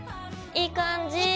いい感じ。